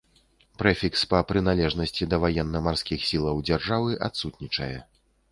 Прэфікс па прыналежнасці да ваенна-марскіх сілаў дзяржавы адсутнічае.